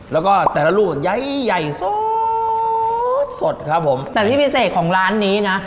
แล้วก็แต่ละลูกใหญ่ใหญ่สดสดครับผมแต่ที่พิเศษของร้านนี้นะ